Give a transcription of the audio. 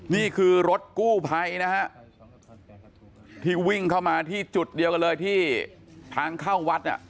นี่คือรถกู้ภัยนะฮะที่วิ่งเข้ามาที่จุดเดียวกันเลยที่ทางเข้าวัดน่ะ